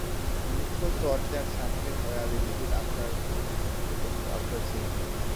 Many people thought their sufferings were relieved after seeing him.